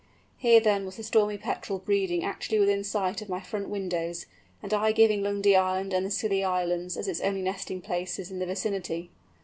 Here then was the Stormy Petrel breeding actually within sight of my front windows, and I giving Lundy Island and the Scilly Islands as its only nesting places in the vicinity!